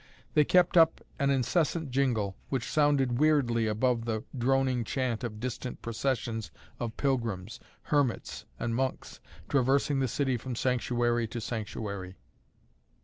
They kept up an incessant jingle, which sounded weirdly above the droning chant of distant processions of pilgrims, hermits and monks, traversing the city from sanctuary to sanctuary.